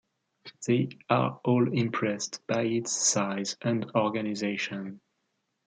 They are all impressed by its size and organisation.